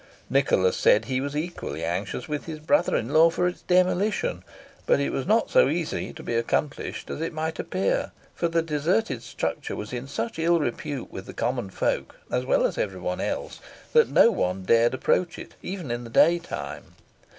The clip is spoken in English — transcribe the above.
Nicholas said he was equally anxious with his brother in law for its demolition, but it was not so easily to be accomplished as it might appear; for the deserted structure was in such ill repute with the common folk, as well as every one else, that no one dared approach it, even in the daytime.